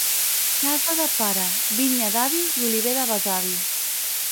Casa de pare, vinya d'avi i oliver de besavi.